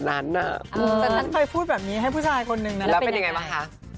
จัดหนักพูดแบบนี้ให้ผู้ชายคนหนึ่งนั้นเป็นยังไงค่ะแล้วเป็นอย่างไรค่ะ